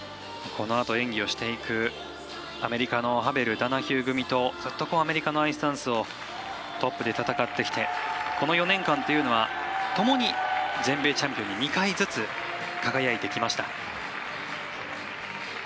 このあと演技をしていくアメリカのハベル、ダナヒュー組とずっとアメリカのアイスダンスをトップで戦ってきてこの４年間というのは、ともに全米チャンピオンに２回ずつ輝いてきました。